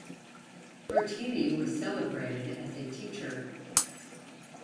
Bertini was celebrated as a teacher.